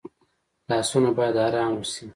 لاسونه باید آرام وشي